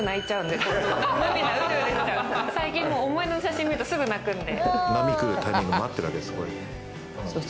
最近思い出の写真見るとすぐ泣くんで。